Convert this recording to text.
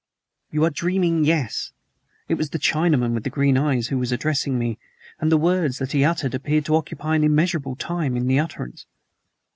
"'You are dreaming yes.' It was the Chinaman with the green eyes who was addressing me, and the words that he uttered appeared to occupy an immeasurable time in the utterance.